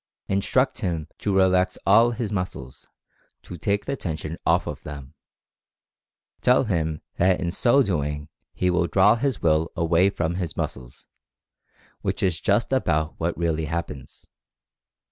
Instruct him to relax all of his muscles — to take the tension off of them. Tell him that in so doing he will "draw his Will away from his muscles," which is just about what really happens.